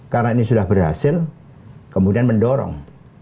karena ini sudah berhasil kemudian mendorong